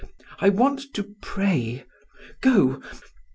I want to pray go.